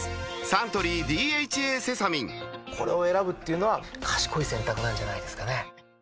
サントリー「ＤＨＡセサミン」これを選ぶっていうのは賢い選択なんじゃないんですかね